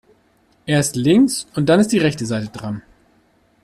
Erst links und dann ist die rechte Seite dran.